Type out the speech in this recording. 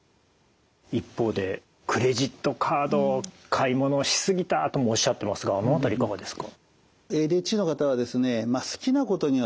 一方でクレジットカードを買い物をし過ぎたともおっしゃってますがあの辺りいかがですか？